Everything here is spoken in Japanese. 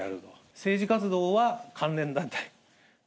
政治活動は関連団体。